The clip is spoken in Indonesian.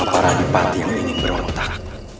siapa para nepat yang ingin berontak